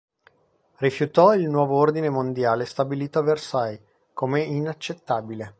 Rifiutò il nuovo ordine mondiale stabilito a Versailles come inaccettabile.